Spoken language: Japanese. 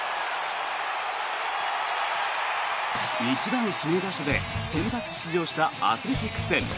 １番指名打者で先発出場したアスレチックス戦。